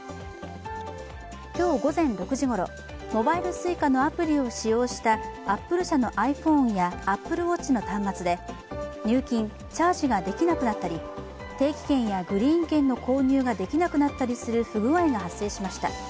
今日午前６時ごろ、モバイルＳｕｉｃａのアプリを使用したアップル社のｉＰｈｏｎｅやＡｐｐｌｅＷａｔｃｈの端末で入金＝チャージができなくなったり定期券やグリーン券の購入ができなくなったりする不具合が発生しました。